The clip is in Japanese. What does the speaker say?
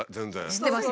知ってます。